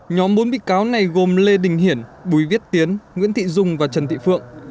nhóm bốn bị cáo này gồm lê đình hiển bùi viết tiến nguyễn thị dung và trần thị phượng